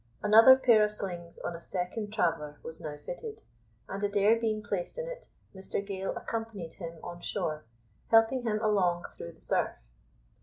Another pair of slings on a second traveller was now fitted, and Adair being placed in it, Mr Gale accompanied him on shore, helping him along through the surf.